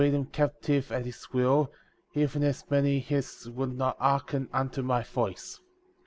and to lead them captive at his will, even as many as would not hearken unto my voice.